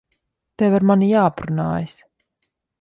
Tev ar mani jāaprunājas.